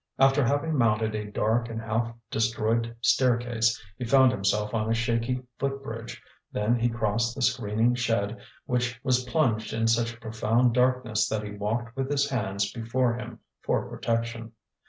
After having mounted a dark and half destroyed staircase, he found himself on a shaky foot bridge; then he crossed the screening shed, which was plunged in such profound darkness that he walked with his hands before him for protection.